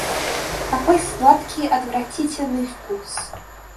Какой сладкий отвратительный вкус!